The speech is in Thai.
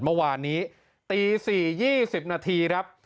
เมื่อวานนี้ตี๔๒๐นาทีครับ